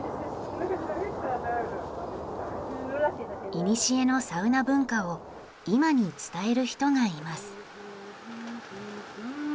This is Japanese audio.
いにしえのサウナ文化を今に伝える人がいます。